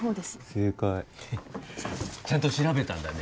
正解ちゃんと調べたんだね